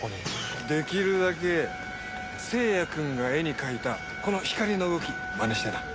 できるだけ星也くんが絵に描いたこの光の動きまねしてな。